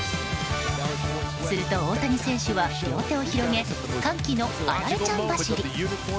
すると、大谷選手は両手を広げ歓喜のアラレちゃん走り。